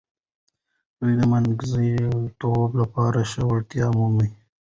دوی د منځګړیتوب لپاره ښه وړتیا مومي.